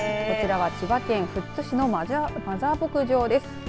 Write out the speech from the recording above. こちら千葉県富津市のマザー牧場です。